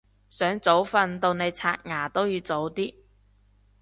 想早瞓到你刷牙都要早啲